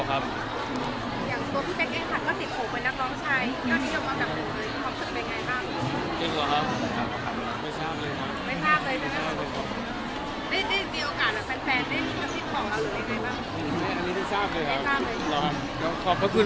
ตัวพี่เพชรก็สิบหกเป็นนักร้องชัย